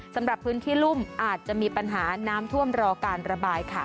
สำหรับพื้นที่รุ่มอาจจะมีปัญหาน้ำท่วมรอการระบายค่ะ